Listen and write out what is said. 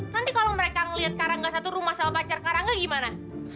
nanti kalau mereka ngeliat rangga satu rumah sama pacar rangga gimana